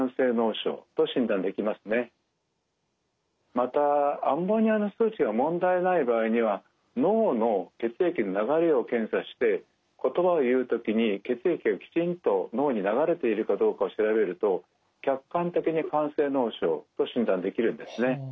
またアンモニアの数値が問題ない場合には脳の血液の流れを検査して言葉を言う時に血液がきちんと脳に流れているかどうかを調べると客観的に肝性脳症と診断できるんですね。